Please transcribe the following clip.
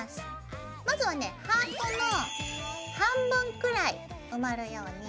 まずはねハートの半分くらい埋まるように。